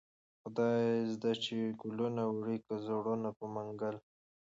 خداى زده چې گلونه وړې كه زړونه په منگل